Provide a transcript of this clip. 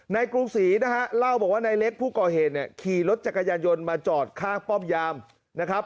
กรุงศรีนะฮะเล่าบอกว่านายเล็กผู้ก่อเหตุเนี่ยขี่รถจักรยานยนต์มาจอดข้างป้อมยามนะครับ